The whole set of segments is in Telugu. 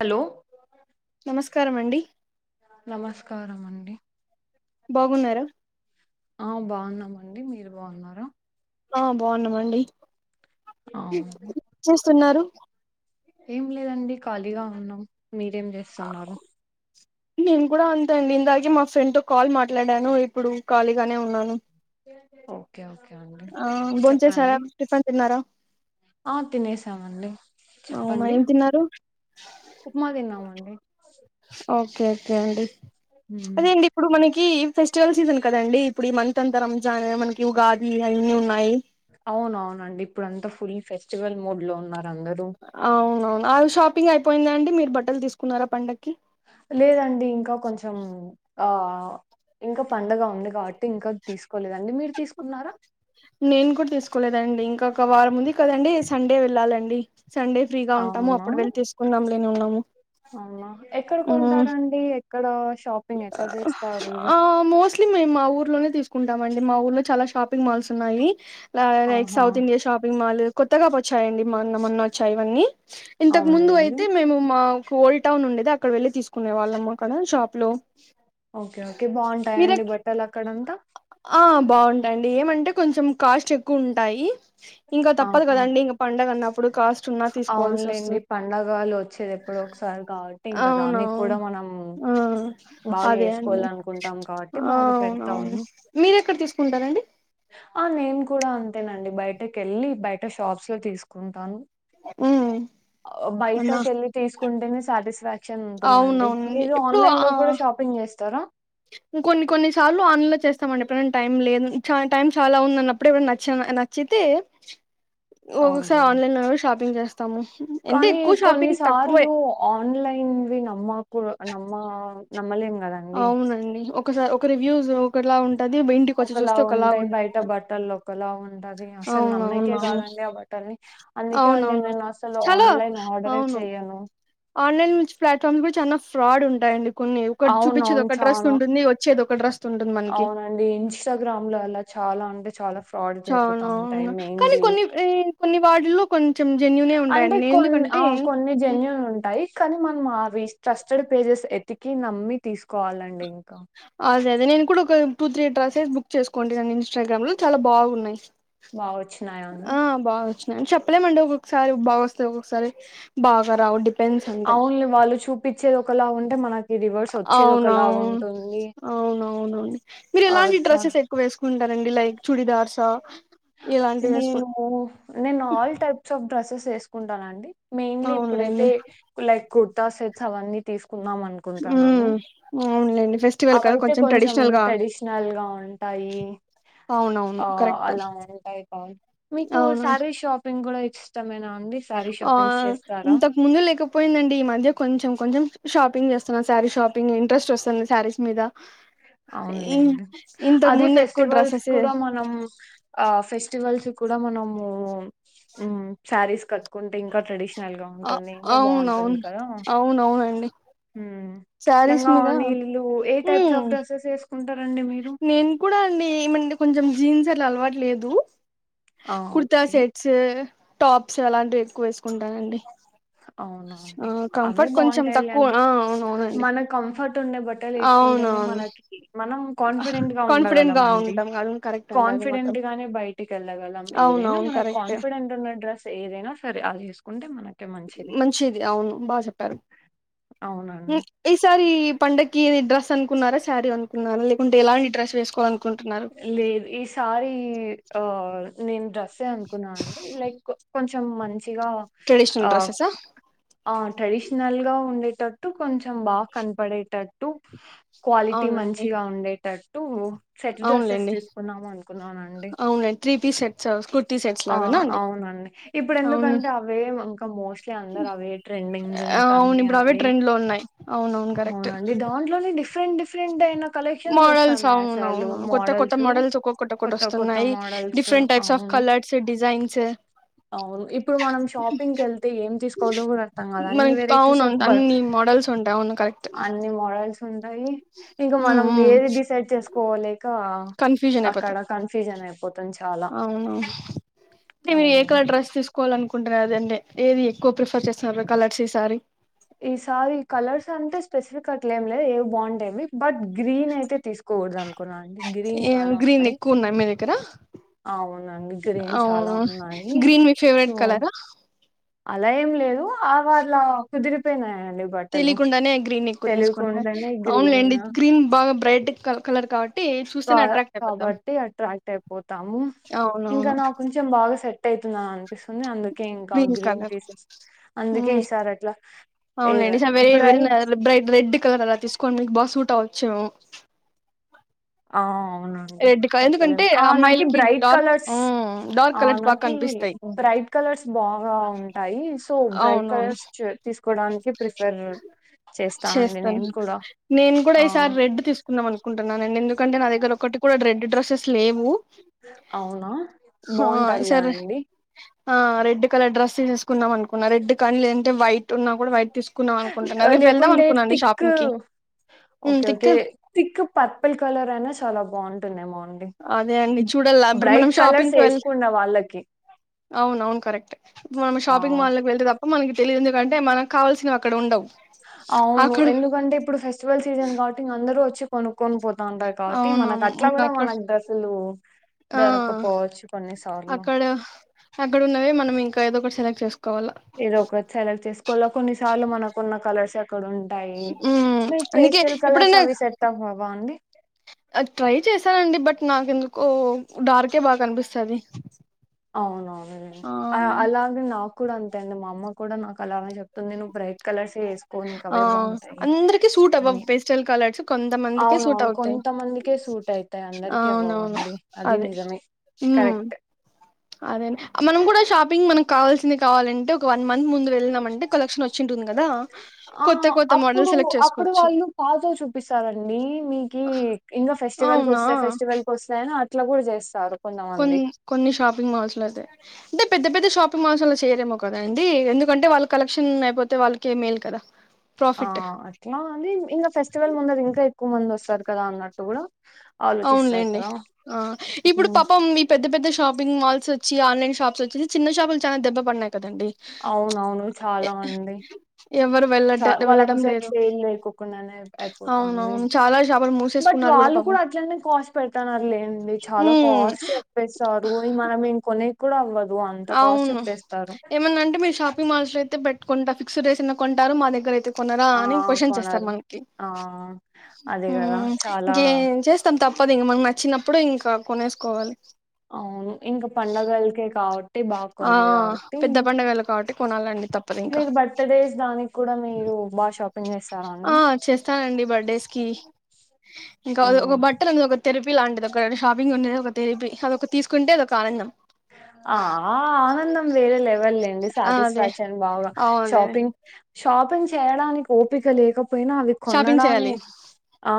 హలో నమస్కారం అండి నమస్కారం అండి బాగున్నారా ఆ బాగున్నామండి మీరు బాగున్నారా ఆ బాగున్నామండి అవును చేస్తున్నారు ఏం లేదండి ఖాళీగా ఉన్నాం మీరేం చేస్తున్నారు నేను కూడా అంతే అండి ఇందాకే మా ఫ్రెండ్ తో కాల్ మాట్లాడాను ఇప్పుడు ఖాళీగానే ఉన్నాను ఓకే ఓకే అండి ఆ భోంచేసారా చెప్పండి టిఫన్ తిన్నారా ఆ తినేసామండి అవునా చెప్పండి ఏం తిన్నారు ఉప్మా తిన్నామండి ఓకే ఓకే ఓకే అండి మ్మ్. అదే అండి ఇప్పుడు మనకి ఈ ఫెస్టివల్ సీజన్ కదండి ఇప్పుడు ఈ మంత్ అంత రంజాన్ మనకి ఉగాది అన్నిీ ఉన్నాయి అవున అవునండి ఇప్పుడు అంతా ఫుల్ ఫెస్టివల్ మోడ్ లో ఉన్నారు అందరూ అవున అవును అ షాపింగ్ అయి పోయింద అండి మీరు బట్టలు తీసుకున్నారా పండగ లేదండి ఇంకా కొంచెం ఆ ఇంకా పడుగ ఉంది కాబట్టి ఇంకా తీసుకోలేదండి మీరు తీసుకున్నారా నేను కూడా తీసుకోలేదండి ఇంకా ఒక వారం ఉంది కదండి సండే వెళ్ళాలండి సండే ఫ్రీగా ఉంటాము అప్పుడు అవునా వెళ్ళలి తీసుకుందాం ఉన్నాము అవునా ఎక్కడ హ్మ్ కొంటారంండి కడాష్ ఆ మోస్ట్లీ మేము మా ఊర్లోనే తీసుకుంటా మండి మా ఊర్లో చాలా షాపింగ్ మాల్స్ ఉన్నాయి లైక్ ఆహా సౌత్ ఇంయా షాపింగ్ మాల్ కొత్తగా వచ్చాయండి మా మొన్న మొన్న వచ్చాయి ఇవన్నీ ఇంతకు ముందు అవునులేండి అయితే మేము మా ఓల్డ్ టౌన్ ఉండేది అక్కడ వెళ్ళి తీసుకునే వాళ్ళమ్ కక్కద షాప్ లో అ ఓకే ఓకే బాగుంటాయండి బట్టలు అక్కడంతా కొంచం కాస్ట్ ఎక్కువ ఉంటాయి ఇంకా తప్పదు ఆహా కదండి ఇంగ పండగన్న అవునులేండి పండగలు వచ్చేది ఎప్పుడు ఒకసారి కాబట్టి ఇంకా దానికి కూడా అవునవును మనం ఆ బాగా అదే అండి వేసుకోవాల అనుకుంటాం కాబట్టి బాగా పెడతాము మీర ఎక్కడ తీసుకుంటారంండి ఆ నేను కూడా అంతేనండి బయటకి వెళ్ళి బయట షాప్స్ లో తీసుకుంటాను. హ్మ్ ఆ అన్నా బయటకి వెళ్ళి తీసుకు కుంటెనే స్టాటిస్ఫ్య్ యాక్షన్ ఉంటుందండి అవునవునండి మీరు ఆన్లైన్ లో కూడా షాపింగ్ చేస్తారా మ్మ్ కొన్ని కొన్ని సార్లు ఆన్లో చేస్తామండి ఎప్పుడు నేను టైం లేదు చ టైం చాలా ఉందన్నప్పుడు ఎప్పుడు నచ్చ నచ్ నచ్చితే ఓ సార్ అవునులేండి ఆన్లైన్ లో షాపింగ్ చేస్ కానీ కొన్నిసార్లు ఆన్లైన్వి నమ్మకు నమ్మ నమ్మలేం గదండీ! అవునండి ఒకసారి ఒక రివ్యూస్ లో కలా ఉన్ ఒకలా ఉంటాయి బయట బట్టలు ఒకలా ఉంట టది అసలు నమ్మకే అవునవునవును కాదండి ఆ బటిల్ని అందుకే అండి అవునవును నేను అసలు చాలా ఆన్లైన్ ఆర్డరే అవును చెయను ఆన్లైన్ నుంచి ప్లాట్ఫామ్స్ కూడా చాలా ఫ్రాడ్ ఉంటాయండి కొన్ని ఒకటి చూపిచ్చేది ఒక డ్రస్ చాలా. ఉంటుంది వచ్చేది డ్రెస్ ఉంటుంది మనకి అవునండి ఇన్స్టాగ్రామ్ లో అలా చాలా అంటే చాలా ఫ చాలావు కానీ కొన్ని కొన్ని వాటిల్లో కొంచెం జెన్యయుూనే అంటే ఉంటాయండి నేన్ కొన్ని ఆ! ఎందుకంటే కొన్ని జెన్యూన్ ఉంటాయి. కానీ మనం మావి ట్రస్టెడ్ పేజెస్ ఎతికి నమ్మి తీసుకోవాలండి ఇంకా. అదే అదే నేను ఇప్పుడు ఒక టూ త్రీ డ్రేసెస్ బుక్ చేసుకోండి అండి ఇన్స్టాగ్రామ్ లో చాలా బాగున్నాయి బా వచ్చినాయా అన్ని ఆ బాగా చెప్పలేమండి ఒక్కొక్కసారి బా వస్తాయి ఒక్కొక్కసారి బాగా రావండి అవున్లే వాళ్ళు చూపిచ్చేది ఒకలా ఉంటే మనకి రివర్స్ వచ్చేది ఒకలా అవునవును ఉంటుం అవునవునండి మీరు ఆ! ఎలాంటి చా డ్రెస్సెస్ ఎక్కువ వేసుకు టరండి లైక్ చుడిదార్సా ఇలాంటివి వేసుకు నేను నేను ఆల్ టైప్స్ ఆఫ్ డ్రసెస్ వేసుకుంటానండి మెయిన్లీ అవునులేండి ఇప్పుడైతే కులైట్కు త సెట్స్ అవన్నీ తీసుకు కున్నాం అనుకుంటున్నాను ఉమ్ అవునులేండి ఫెస్టివల్ కదా అవైతే కొంచెం ట్రెడిషనల్ గా ట్రెడిషనల్గా ఉంటాయి అవునవును ఆ కరెక్ట్ అలా మీకు అవును శారి షాపింగ్ కూడా ఇష్టమేనా అండి? శారీ ఆ షాపింగ్స్ చేస్తారా? ఇంతకు ముందు లేకపోయిందండి ఈ మధ్య కొంచెం కొంచెం షాపింగ్ చేస్తున్నా శారీ షాపింగ్ ఇంట్రెస్ట్ వస్తుంది శారీస్ మీద ఇ అవునులేండి ఇంతకు అదే ముందు ఎక్కువ ఫెస్టివల్స్ కి డ్రెస్సెస్ కూడా మనం ఆ ఫెస్ ఫెస్టివల్స్ కి కూడా మనము హ్మ్ శారీస్ కట్టుకుంటా ఇంకా ట్రెడిషన్ అ అవునవును అవునవునండి శారీస్ లంగా మీద వోణి లు ఏ టైపు ఉమ్ సబ్ డ్రెస్సెస్ ఏస్ నేను కూడా అండి ఏమంటే కొంచెం జీన్స్ ట్లు అలవాటు లేదు ఆ కుర్తా ఓకే సెట్సు టాప్స్ అలాంటివి ఎక్కువ వేసుకుంటానండి ఆ అవునవును అవే కంఫర్ట్ కొంచెం బావుంటాయి తక్కువ లేంటీ ఆ అవునవునండి మన కంఫర్ట్ ట్ఉండే బట్టలు వేసుకుంటేనే అవునవును మనకి మనం కాన్ఫిడెంట్ గా కాన్ఫిడెంట్ ఉండగలం గా అండి ఉంటాం అవును కరెక్ట్ అండి అది మాత్రం కాన్ఫిడెంట్ గానే బయటికి వెళ్లగలం అవును ఏదైనా అవును మన కరెక్ట్ కాన్ఫిడెంట్ ఉన్న డ్రెస్ ఏదైనా సర అదేసు కుంటే మన మంచిది అవును బా చెప్పారు అవునండి ఈసారి పండక్కి డ్రస్ అనుకున్నారా శారీ అనుకున్నారా లేకుంటే ఎలాంటి డ్రస్ వేసుకోవాలి అను లేదు ఈసారి ఆ నేను డ్రెస్ డ్రెస్సే అనుకున్నా అండి లైక్ కొంచెం మం గా ట్రెడిషనల్ డ్రెస్సెసా ఆ టడీష్ నల్ గా ఉండేటట్టు కొంచ్ చ్చెం బాగా కనపడేటట్ ట్టు క్వాలిటీ అవునండి మంచిగా ఉండేటట్ టూ సెట్ డ్రెస్సెస్ అవునులేండి తీసుకున్నాము అనుకున్నానండి అవునులేండి three piece sets kurti sets ఆ లాగానా అండి అవునండి ఇప్పుడు అవును ఎందుకంటే అవే ఇంకా మోస్ట్లీ అందరు అవే ట్రెండింగు ఇంక అవును అన్నీ ఇప్పుడు అవే ట్రెండ్ లో ఉన్నాయి అవునవును కరెక్ట్ అవునండి దాంట్లోనే డిఫ్ రెంట్ డిఫరెంటు అయిన కలెక్షన్స్ మోడల్స్ వస్తాన్నాయ్ అస్ బట్టలు అవునవునవును కొత్త కొత్త మోడల్స్ ఒక్కొక్కటి ఒక్కటి కొత్త కొత్త వస్తున్నాయి మోడల్స్ డిఫరెంట్ టైప్స్ ఆఫ్ అవును కలర్స్ డిజైన్స్ అవును ఇప్పుడు మనం షాపింగ్ కళ్తే ఏం తీసుకోవాలో కూడా అర్థం కాదు అన్ని మనకి వెరైటీస్ అవును ఆఫ్ బ అన్ని మోడల్స్ ఉంటాయి అవును కరెక్ట్ అన్ని మోడల్స్ టాయి ఇంక హ్మ్. మనం హ్మ్. ఏది డిసైడ్ చేసుకు కోలేద్ ఇంకా కన్ఫ్యూజన్ అయిపోతాం అక్కడ కన్ఫ్యూజన్ అయిపోతుంది చాలా అవును అవును కోవాలనుకుంటున్నారు అండి ఏది ఎక్కువ ప్రిఫర్ చేస్తున్నారు కలర్స్ ఈ సారీ ఈసారి కలర్స్ అంటే స్పెసిఫిక్ అట్లేం లేదు ఏవి బాగుంటె అవి బడ్ గ్రీన్ అయితే తీసుకోగూడదు అనుకున్నా అండి గ్రీన్ చాలా గ్రీన్ ఉన్నాయ్ ఎక్కువ ఉన్నాయి మీ దగ్గర అవునండి గ్రీన్ చాలా అవును ఉన్నాయి గ్రీన్ మీ సో ఫేవరెట్ కలరా అలా ఏం లేదు ఆ వాళ్ళ కుదిరిపోయినాయ్ అం తెలియకుండానే గ్రీన్ ఎక్కువ తీసుకున్నార గ్రీన్ అవునులేండి గ్రీన్ బాగా బ్రైట్ కలర్ కాబ కాబట్టి అట్రాక్ట్ అయిపోతాము ఇంకా అవునవును నా కొంచెం బాగా సెట్ అయితుంది అనిపిస్తుంది అందుకే ఇంకా గ్రీన్ తీసెస్ అందుకే ఇసారి అట్లా ఏద అవునలేండి స very very bright bright red కల్లర అలా తీసుకోన్ మీకు బాగా సూట అవ్వచ్చు ఆ అవునండి చెప్పలేమ్ ఆ నాకి అమ్మాయిలకి బ్రైట్ డార్క్ కలర్స్ డార్క్ ఆ కలర్స్ బాగా నాకి కనిపిస్తాయి బ్రైట్ కలర్స్ బాగా ఉంటాయి సో బ్రైట్ అవునవును కలర్స్ తీసుకోడానికి ప్రిఫర్ చేస్తానండి చేస్తాను నేను కూడా ఆ ంటున్నాను ఎందుంటే నా దగ్గర ఒక్కటి కూడా రెడ్ డ్రెస్సెస్ లేవు అవునా హా బాగుంటదిలే ఈసారి అండి ఆ రెడ్ కలర్ డ్రస్ తీసేసుకున్నాం అనుకున్నా రెడ్ కానీ లేదంటే వై ఆ లేకుంటే అనుకున్నాండి తిక్కు షాపింగ్ కి ఉమ్ okay thick okay thick purple colour అయినే చాలా బాం టుందేమొ అదే అండి చూడల్ల ఇప్పుడు మనం కలర్స్ షాపింగ్ కి వెళ్ వేసుకుండా వాళ్ళకి అవును అవును కరెక్టే ఇప్పుడు మనం ఆ, షాపింగ్ మాల్ కి వెళ్తే తప్ప మనకి తెలియదు ఎందుకంటే మనకు కావాల్సవి అక్కడ ఉండవు అవును అక్కడ ఎందుకంటే ఇప్పుడు ఫెస్టివల్ సీజన్ కాబట్టి ఇంక అందరూ వచ్చి కొనుకొని పోతా ఉంటారు కాబట్టి మనకు అట్లా అవునవునుకా కూడా అక్కడ మనకు డ్రెస్సులు ఆ దొరకపోవచ్చు కొన్నిసార్లు అక్కడ అక్కడ ఉన్నవే మనం ఇంకా ఏదో ఒకటి సెలెక్ట్ చేసుకో ఏదో ఒక సెలెక్ట్ చేసుకోవాల కొన్నిసార్లు మనకు కొన్న కలర్స్ ఎక్కడ ఉ ంటాయి ఉమ్ మీ అందుకే పేస్టల్ కలర్స్ అవి సెట్ అవవా అండి అ ట్రై చేశానండి బట్ నాకెందుకో డార్కే బాగా కనిపిస్తది అవునవును అండి ఆ అలాగే నాకు కూడా అంతే అండి మా అమ్మ కూడా నా కలర్ అని చెప్తుంది నువ్వు బ్రైట్ కలర్స్ ఆ అందరికి సూట్ అవ్వవు పెస్టల్ కలర్స్ కొంతమందికే అవునా సూట్ అవుతాయి కొంతమందికే సూట్ అయితాయి అందరికీ అవునవును అవవండి అది అదే నిజమే ఉమ్ కరెక్ట్ అదే మనం కూడా షాపింగ్ మనకు కావాల్సింది కావాలంటే ఒక వ కదా ఆ కొత్త కొత్త మోడల్ అప్పుడు సెలెక్ట్ అప్పుడు చేసుకోవచ్చు వాళ్ళు పాతవి చూపిస్తారండి మీకు ఇంకా ఫెస్టివల్ కి అవునా వస్తాయి ఫెస్టివల్ కి వస్తాయని ఇట్లా కూడా చేస్తారు కొన్ని కొన్ని షాపింగ్ మాల్స్ లో అయితే అంటే పెద్ద పెద్ద షాపింగ్ మాల్స్ లో చేయరేమో కదా అండి ఎందుకంటే వాళ్ళు కలెక్షన్ అయిపోతే వాళ్ళకే మేలు కదా ఆ ప్రాఫిట్ అట్లా అండి ఇంకా ఫెస్టివల్ ఉన్నది ఇంకా ఎక్కువ మంది వస్తారు కదా అన్నట్టు కూడా అవునులేండి ఆ ఇప్పుడు హ్మ్. పాపం ఈ పెద్ద పెద్ద షాపింగ్ మాల్స్ వచ్చి ఆన్లైన్ షప్స్ వచ్చి చిన్న షాపులు చాలా దెబ్బ పడినాయి కదండి అవునవును ఎ చాలా మంది ఎవరు వెళ్ల వెళ్ళడం లేదు లేకోకుండానే అయిపోతాంది. అవునవును చాలా షాపులు బట్ మూసేసుకున్నారు కూడా వాళ్ళు పాపం కాస్ట్ పెడతన్నారు లేండి చాలా ఉమ్ కాస్ట్ చెప్పేస్తారు ఈ మనం ఇంకొనే కూడా అవ్వదు అంత కాస్ట్ అవును చెప్పేస్తారు. ఏమన్నా అంటే మీ షాప్ మనుషులు అయితే పెట్టుకుంటా ఫిక్స్డ్ ఏసినా కొంటారు మా దగ్గర అయితే కొనరా ఆ! అని క్యూస్షన్ ఎస్తారు కొనరు. మనకి ఆ! అదే గదా! ఉమ్ చాలా ఇంకేం చేస్తాం తప్ప తప్పదు ఇంక మనం నచ్చినప్పుడు ఇంకా కొనేసుకోవాలి అవును. ఇంక పండగలకే కాబట్టి బాగా ఆ కొనేది కాబట్టి పెద్ద పండగలు కాబట్టి కొనాలండి తప్పదు ఇంకా మీరు బర్త్డేస్ దానికి కూడా మీరు బా షాపింగ్ చేస్తారా ఆ అండి? చేస్తానండి బర్త్డేస్ కి ఇంకా ఒక హ్మ్. బట్టలు ఉ ఒక తెరిపి లాంటిది ఒక షాపింగ్ ఉండది ఒక తెరిపి అదొక తీసుకుంటే అదొక ఆనందం ఆ ఆనందం వేరలే లేండి ఆ అదే సాటిస్ఫాక్షన్ బాగా అవును అదే షాపింగ్ షాపింగ్ చేయడానికి ఓపిక లేకపో పోయినా అవి షాపింగ్ చేయాలి కొనడాన్ని ఆ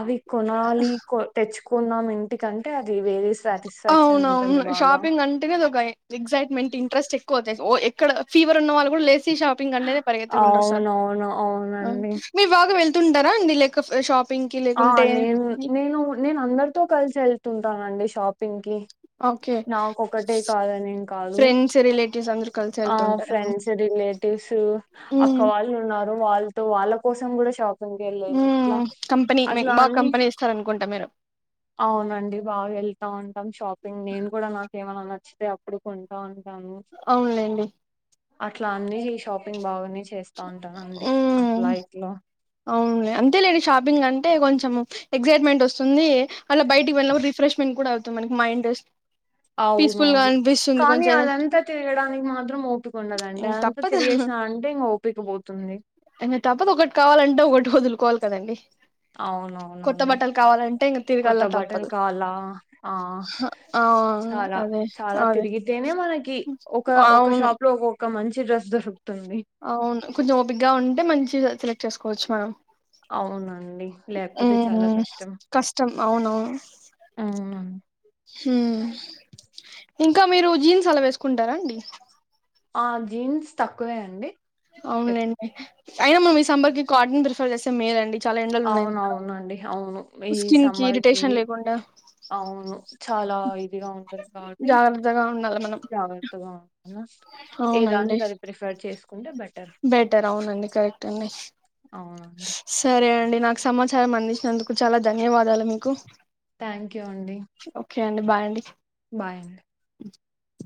ఆది కొనాలి తెచ్చుకో కొన్నాం ఇంటికంటే అ ఇవేవి సాటిస్ఫాక్షన్ అవునవును ఉంటుంది బాగా షాపింగ్ అంటేనే అది ఒక ఎగసైట్మెంట్ ఇంట్రెస్ట్ ఎక్కువ వచ్చేస్తా ఓ ఎక్కు ఇక్కడ ఫీవర్ ఉన్న వాళ్ళు కూడా లేస్త షాపింగ్ అంటేనే పరిగెత్తుకుంటూ వస్తారు అవునవును అవునండి మీరు బాగా వెళ్తార్ కొంటారా అండి లేక షాప్ ఆ నేను నేను నేను అందరితో కలిసి వెళ్తా ఉంటా నండి షాపింగ్ కి ఓకే నాకొక్కటే కాదని ని కాదు ఫ్రెండ్స్ రిలేటివ్స్ అందరు కలిసి ఆ వెళ్తుంటారు ఫ్రెండ్స్ రిలేటివ్స్ అక్క వాళ్ళు ఉన్నారు వాళ్ళతో వాళ్ళ కోసం కూడా షాప్ ంగలలా కంపెనీ [inaudible] మీకు అట్లా బాగా అన్ని కంపెనీ ఇస్తారనుకుంటా మీరు అవునండి బాగా వెళ్తా ఉంటాం షాపింగ్ నేను కూడా నాకేమన్న వ అప్పుడు కొంటా ఉ అవునులేండి అట్లా అన్ని షాపింగ్ బాగునియి హ్మ్ అవునులే అంతేలెండి షాపింగ్ అంటే కొంచె చము ఎక్సైట్మెంట్ వస్తుంది అలా బయటకి పోయినపుడు రిఫ్రెష్మెంట్ కుడా అవ్ మనకి మైండ్ ర్ అవునవును కానీ ఏదన్ అదంతా తిరగడానికి మాత్రం ఓపిక ఉండాలి అండి అదంతా తిరిగేసిన ఇంక ఓపిక పోతుంది ఇంకా తప్పదు ఒకటి కావాలంటే ఒకటి వదులుకోవాలి కదండి కొత్త అవునవునండి బట్టలు కావాలంటే ఇంక కొత్త తిరగల్లా బటల్ తప్పదు కావ్లా ఆ ఆ చాలా అదే చాలా అదే తిరిగితేనే మనకి ఒక ఒక అవును షాప్ లో ఒక ఒక మంచి మమ్ చి డ్రెస్ దొరుకుతుంది అవును కొంచెం ఓపిగగా ఉంటే మంచిగా సెలెక్ట్ చేసుకో కోచ్ మనం అవునండి లేకపోతే చాలా మ్మ్ కష్టం కష్టం అవునవును మ్మ్ మ్మ్ ఇంకా మీరు జీన్స్ అలా వేసుకుంటారా అండి? ఆ జీన్స్ తక్కువే అండి అవునులేండి అయినా మన ఈ సంబర్కి కాటన్ స మే అండి అవునవునండి అవును ఈ స్కిన్ సమ్మర్ కి ఇరిటేషన్ లేకుండా అవును చాలా ఇదిగా ఉంటుంది కాబట్టి జాగ్రత్తగా ఉండాలి మనం జాగ్రత్తగా ఉంటను ఏ దాన్ని అవునండి అది ప్రిఫర్ చేసుకు బట్ బెటర్ అవునండి కరెక్ట్ అండి అవునండి సరే అండి నాకు సమాచారం అందించినందుకు చాలా ధన్యవాదాలు మీకు థ్యాంక్ యూ అండి ఓకే బాయ్ అండి బయ్ అండీ అ